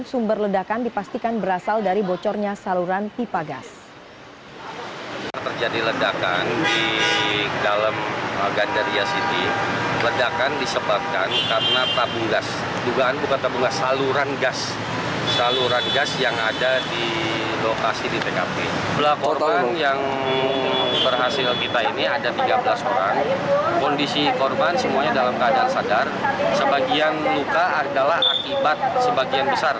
sumber ledakan dipastikan berasal dari bocornya saluran pipa gas